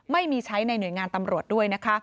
ไม่มีใช้ในหน่วยงานตำรวจด้วยนะคะ